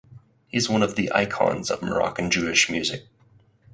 He is one of the icons of Moroccan Jewish music.